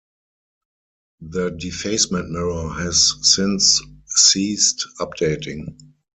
The defacement mirror has since ceased updating.